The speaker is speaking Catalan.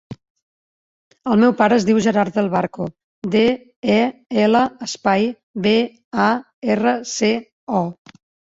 El meu pare es diu Gerard Del Barco: de, e, ela, espai, be, a, erra, ce, o.